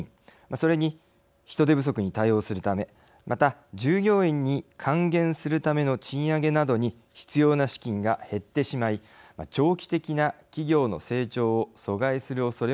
それに人手不足に対応するためまた従業員に還元するための賃上げなどに必要な資金が減ってしまい長期的な企業の成長を阻害するおそれもあります。